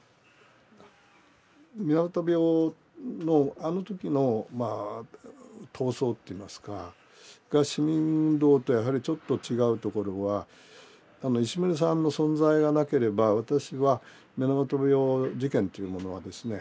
水俣病のあの時のまあ闘争といいますかが市民運動とやはりちょっと違うところはあの石牟礼さんの存在がなければ私は水俣病事件というものはですね